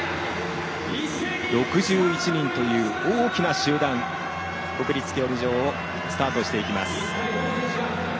６１人という大きな集団が国立競技場をスタートしていきます。